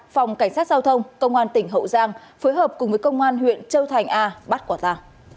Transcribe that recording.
phòng cảnh sát giao thông công an tỉnh hậu giang phối hợp cùng với công an huyện châu thành a bắt quả ta